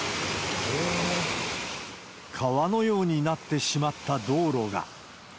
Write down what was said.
川のようになってしまった道路が。